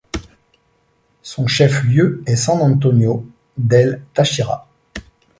Son chef-lieu est San Antonio del Táchira.